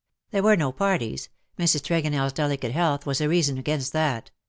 There were no parties ; Mrs. TregonelFs delicate health was a reason against that.